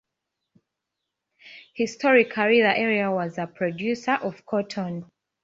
Historically, the area was a producer of cotton.